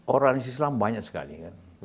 oransi islam banyak sekali kan